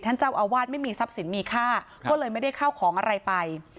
เจ้าอาวาสไม่มีทรัพย์สินมีค่าก็เลยไม่ได้เข้าของอะไรไป